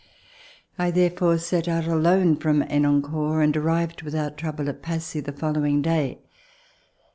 I therefore set out alone from Henencourt and arrived without trouble at Passy the following day.